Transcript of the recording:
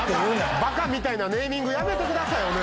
バカみたいなネーミングやめてくださいよねえ。